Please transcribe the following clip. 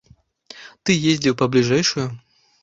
Ты ездзіў па бліжэйшую?